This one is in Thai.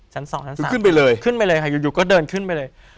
สองชั้นคือขึ้นไปเลยขึ้นไปเลยค่ะอยู่ก็เดินขึ้นไปเลย